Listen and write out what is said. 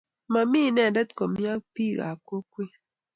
Mami inendet komnye ak bik ab kokwet.